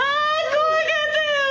怖かったよ！